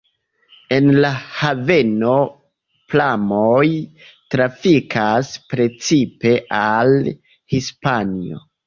En la haveno pramoj trafikas precipe al Hispanio.